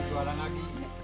jangan jualan lagi